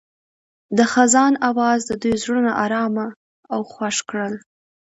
د خزان اواز د دوی زړونه ارامه او خوښ کړل.